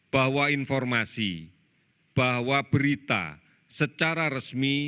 bahwa informasi bahwa berita secara resmi